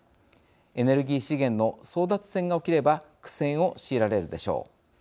エネルギー資源の争奪戦が起きれば苦戦を強いられるでしょう。